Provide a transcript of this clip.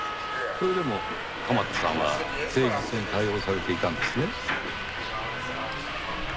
それでも鎌田さんは誠実に対応されていたんですね。